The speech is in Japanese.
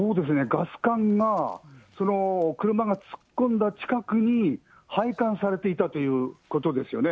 ガス管が、その車が突っ込んだ近くに配管されていたということですよね。